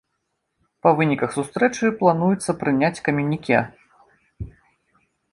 Па выніках сустрэчы плануецца прыняць камюніке.